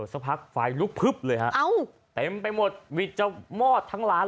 สักผักไฟลูกเลยฮะเอาเต็มไปหมดวิจะมอร์ตทั้งร้านเลย